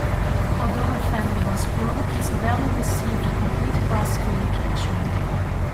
Although her family was poor, Isabella received a complete classical education.